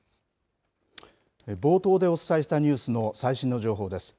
冒頭でお伝えしたニュースの最新の情報です。